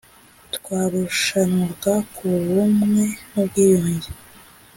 twarushanwaga ku bumwe n’ubwiyunge